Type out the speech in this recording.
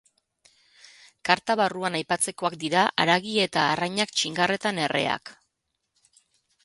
Karta barruan aipatzekoak dira haragi eta arrainak txingarretan erreak.